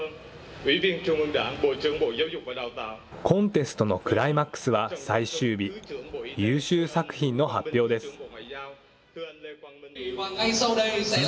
コンテストのクライマックスは最終日、優秀作品の発表です。